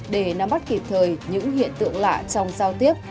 để nắm bắt kịp thời những hiện tượng lạ trong giao tiếp